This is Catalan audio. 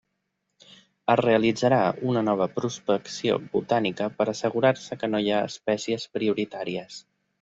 Es realitzarà una nova prospecció botànica per a assegurar-se que no hi ha espècies prioritàries.